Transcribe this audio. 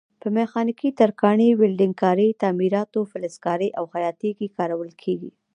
په میخانیکي، ترکاڼۍ، ویلډنګ کارۍ، تعمیراتو، فلزکارۍ او خیاطۍ کې کارول کېږي.